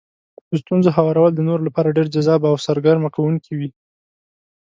د ستونزو هوارول د نورو لپاره ډېر جذاب او سرګرمه کوونکي وي.